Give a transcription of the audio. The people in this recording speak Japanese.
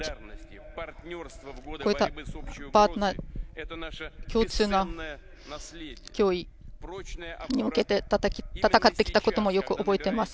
こういったパートナー共通の脅威に向けて戦ってきたこともよく覚えています。